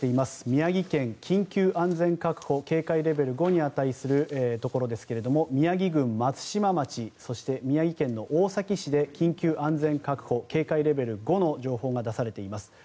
宮城県、緊急安全確保警戒レベル５に値するところですが宮城郡松島町そして宮城県の大崎市で緊急安全確保、警戒レベル５の情報が出されています。